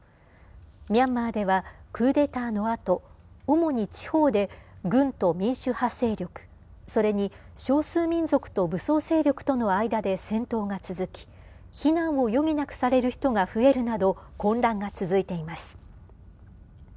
ミャンマーでは、クーデターのあと、主に地方で軍と民主派勢力、それに少数民族と武装勢力との間で戦闘が続き、避難を余儀なくされる人が増えるなど、混乱が続いています。